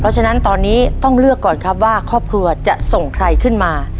ฉะนั้นตอนนี้ต้องเลือกก่อนครับว่าครอบครัวจะส่งใครขึ้นมา